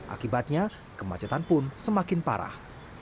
akibatnya kemacetan pun semakin parah